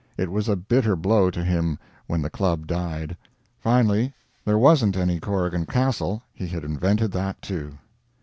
It was a bitter blow to him when the Club died. Finally, there wasn't any Corrigan Castle. He had invented that, too.